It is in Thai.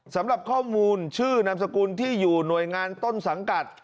สำหรับข้อมูลชื่อนามสกุลที่อยู่หน่วยงานต้นสังกัด